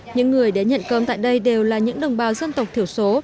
những người đến nhận cơm tại đây đều là những đồng bào dân tộc thiểu số